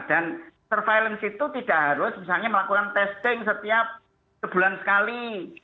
dan surveillance itu tidak harus misalnya melakukan testing setiap sebulan sekali